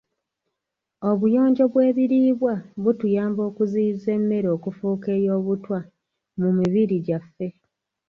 Obuyonjo bw'ebiriibwa butuyamba okuziyiza emmere okufuuka ey'obutwa mu mibiri gyaffe.